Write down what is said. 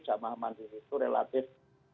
jamaah mandiri itu relatif